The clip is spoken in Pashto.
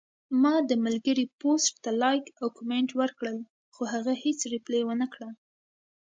ما د ملګري پوسټ ته لایک او کمنټ ورکړل، خو هغه هیڅ ریپلی ونکړه